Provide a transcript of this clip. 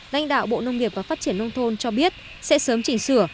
lãnh đạo bộ nông nghiệp và phát triển nông thôn cho biết sẽ sớm chỉnh sửa